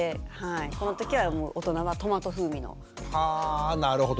この時は大人はトマト風味の。はあなるほど。